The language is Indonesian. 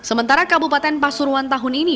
sementara kabupaten pasuruan tahun ini